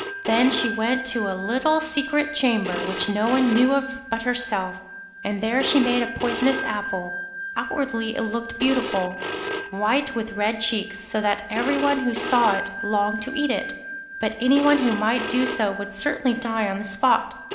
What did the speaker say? Then she went to a little secret chamber, which no one knew of but herself, and there she made a poisonous apple. Outwardly it looked beautiful, white with red cheeks, so that everyone who saw it longed to eat it, but anyone who might do so would certainly die on the spot.